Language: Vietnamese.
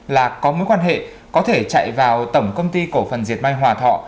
là có mối quan hệ có thể chạy vào tổng công ty cổ phần diệt may hòa thọ